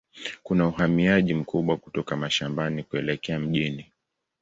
Kuna uhamiaji mkubwa kutoka mashambani kuelekea mjini.